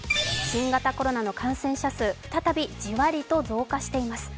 新型コロナの感染者数、再びじわりと増加しています。